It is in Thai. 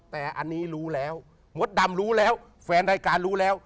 แต่อันนี้รู้แล้วมดดำรู้แล้วแฟนรายการรู้แล้ว